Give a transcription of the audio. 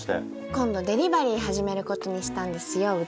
今度デリバリー始めることにしたんですようち。